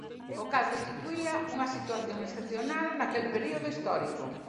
O cal constituía unha situación excepcional naquel período histórico.